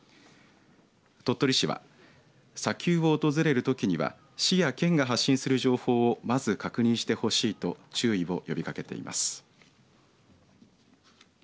鳥取市は砂丘を訪れるときには市や県が発信する情報をまず確認してほしいと注意を呼びかけています。